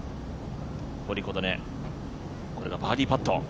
堀琴音、これがバーディーパット。